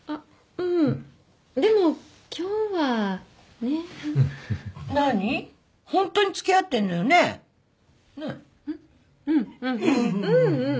うんうんうん。